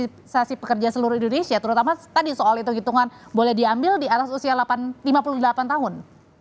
mobilisasi pekerja seluruh indonesia terutama tadi soal hitung hitungan boleh diambil di atas usia lima puluh delapan tahun